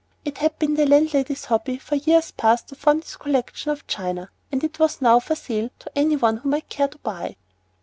It had been the landlady's hobby for years past to form this collection of china, and it was now for sale to any one who might care to buy.